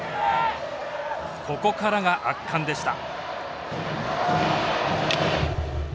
ここからが圧巻でした。